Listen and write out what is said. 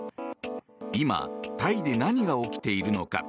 今、タイで何が起きているのか。